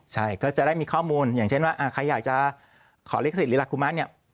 ใช่ก็จะได้มีข้อมูลอย่างเช่นว่าใครอยากจะขอลิขสิทธิหลักคุมะเนี่ย